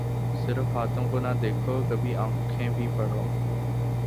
صرف ہاتھوں کو نہ دیکھو کبھی آنکھیں بھی پڑھو